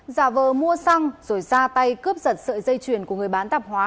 giả vờ mua xăng rồi ra tay cướp giật sợi dây chuyền của người bán tạp hóa